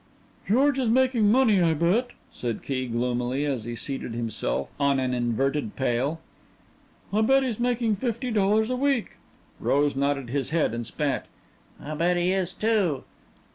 "George is makin' money, I bet," said Key gloomily as he seated himself on an inverted pail. "I bet he's making fifty dollars a week." Rose nodded his head and spat. "I bet he is, too."